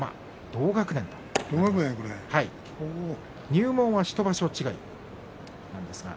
入門は１場所違いなんですが。